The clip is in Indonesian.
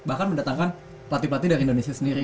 bahkan mendatangkan pelatih pelatih dari indonesia sendiri